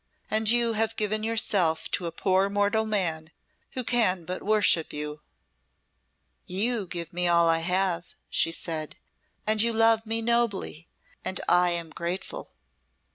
"And you have given yourself to a poor mortal man, who can but worship you." "You give me all I have," she said, "and you love me nobly, and I am grateful."